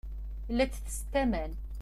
Llant tessent aman.